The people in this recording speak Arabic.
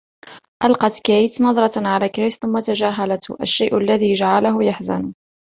ألقت كايت نظرة على كريس ثم تجاهلته ، الشيء الذي جعله يحزن.